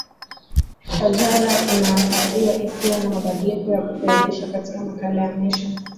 shajara ianatakiwa isiwe na mabadilko ya kufedheesha katika makala ya mwisho